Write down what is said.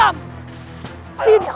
dua minggu kemudian